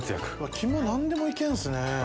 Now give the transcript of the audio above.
肝何でも行けるんですね。